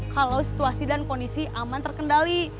kalau situasi dan kondisi aman terkendali